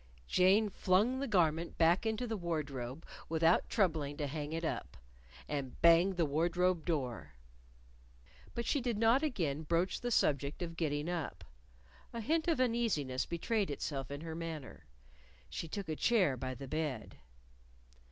Jane flung the garment back into the wardrobe without troubling to hang it up, and banged the wardrobe door. But she did not again broach the subject of getting up. A hint of uneasiness betrayed itself in her manner. She took a chair by the bed.